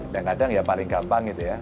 dan kadang ya paling gampang itu ya